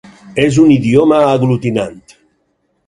És un idioma aglutinant.